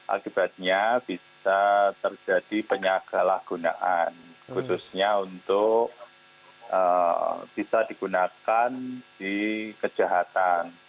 akibatnya bisa terjadi penyagalahgunaan khususnya untuk bisa digunakan di kejahatan